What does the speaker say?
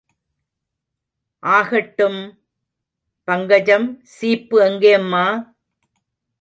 ஆகட்டும்... பங்கஜம் சீப்பு எங்கேம்மா?